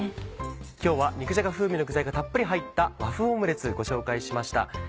今日は肉じゃが風味の具材がたっぷり入った「和風オムレツ」ご紹介しました。